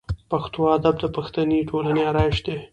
پښتو ادب د پښتني ټولنې آرایش دی.